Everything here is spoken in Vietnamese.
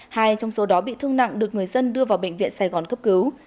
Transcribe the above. hai trong số đó bị thương nặng được người dân đưa vào bệnh viện sài gòn cấp cứu